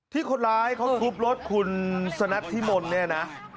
ที่คนร้ายเขาทุบรถคุณสนัทธิมนต์เนี่ยนะ